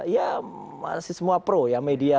ya masih semua pro ya media